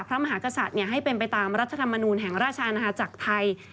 พระมหากษัตริย์ให้เป็นไปตามรัฐธรรมนูลแห่งราชอาณาจักรไทย